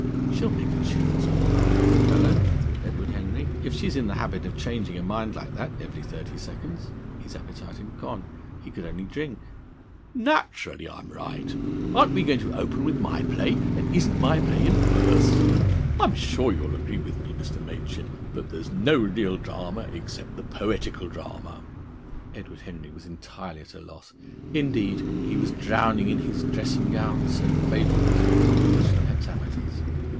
("She'll make a cheerful sort of partner for a fellow," thought Edward Henry, "if she's in the habit of changing her mind like that every thirty seconds." His appetite had gone. He could only drink.) "Naturally, I'm right! Aren't we going to open with my play, and isn't my play in verse? ... I'm sure you'll agree with me, Mr. Machin, that there is no real drama except the poetical drama." Edward Henry was entirely at a loss. Indeed, he was drowning in his dressing gown, so favourable to the composition of hexameters.